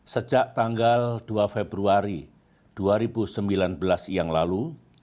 sejak tanggal dua februari dua ribu sembilan belas yang lalu